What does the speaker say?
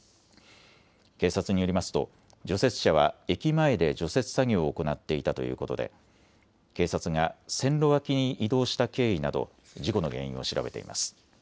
警察によりますと除雪車は駅前で除雪作業を行っていたということで警察が線路脇に移動した経緯など事故の原因を調べています。